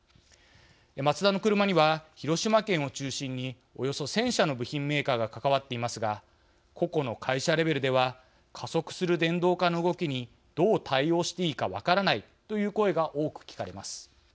マツダの車には、広島県を中心におよそ１０００社の部品メーカーが関わっていますが個々の会社レベルでは加速する電動化の動きにどう対応していいか分からないという声が多く聞かれます。